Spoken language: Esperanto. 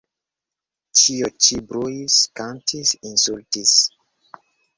Ĉio ĉi bruis, kantis, insultis.